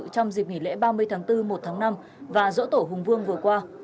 trong dịp nghỉ lễ ba mươi tháng bốn một tháng năm và dỗ tổ hùng vương vừa qua